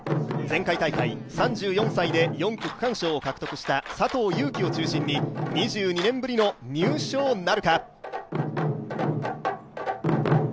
前回大会３４歳で４区区間賞を獲得した佐藤悠基を中心に２２年ぶりの入賞なるか。